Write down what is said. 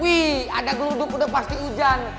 wih ada geluduk udah pasti hujan